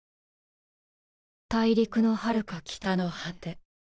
「大陸のはるか北の果て」。